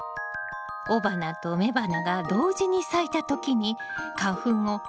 雄花と雌花が同時に咲いた時に花粉を運んでくれたのね。